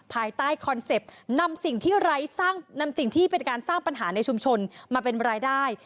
ภายใต้คอนเซ็ปต์นำสิ่งที่ไร้สร้างนำสิ่งที่เป็นการสร้างปัญหาในชุมชนมาเป็นรายได้